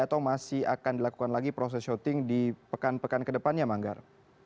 atau masih akan dilakukan lagi proses syuting di pekan pekan ke depannya manggar